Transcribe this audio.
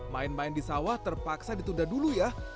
main main di sawah terpaksa ditunda dulu ya